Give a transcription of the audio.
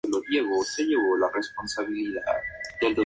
El eco es un ejemplo de Reflexión.